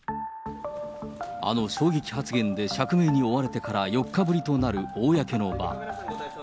あの衝撃発言で釈明に追われてから４日ぶりとなる公の場。